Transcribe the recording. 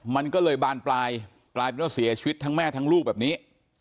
มันก็เลยบานปลายกลายเป็นว่าเสียชีวิตทั้งแม่ทั้งลูกแบบนี้